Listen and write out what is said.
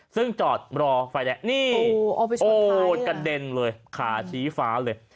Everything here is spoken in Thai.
ซึ่งจอดรอไฟแดงนี่โอ้โหกระเด็นเลยขาชี้ฟ้าเลย